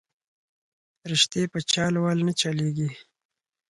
رشتې په چل ول نه چلېږي